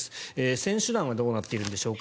選手団はどうなっているんでしょうか。